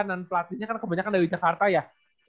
dan pelatihnya kan kebanyakan dari jakarta ya